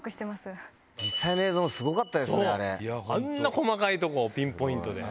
細かいとこピンポイントで。